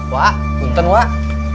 wah buntun wah